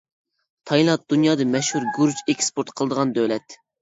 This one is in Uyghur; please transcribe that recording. تايلاند دۇنيادا مەشھۇر گۈرۈچ ئېكسپورت قىلىدىغان دۆلەت.